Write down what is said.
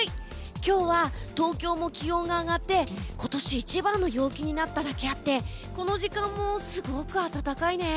今日は東京も気温が上がって今年一番の陽気になっただけあってこの時間もすごく暖かいね。